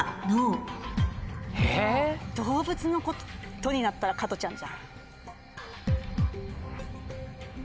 動物のことになったら加トちゃんじゃん。